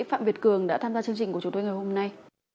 phạm việt cường đã tham gia chương trình của chúng tôi ngày hôm nay